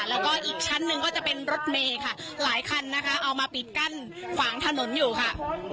แล้วก็อีกชั้นหนึ่งก็จะเป็นรถเมย์ค่ะหลายคันนะคะเอามาปิดกั้นขวางถนนอยู่ค่ะ